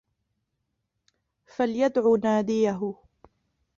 فَليَدعُ نادِيَهُ